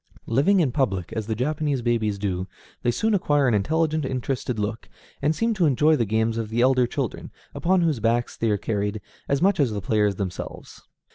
[*8] Living in public, as the Japanese babies do, they soon acquire an intelligent, interested look, and seem to enjoy the games of the elder children, upon whose backs they are carried, as much as the players themselves.